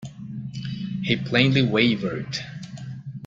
He plainly wavered.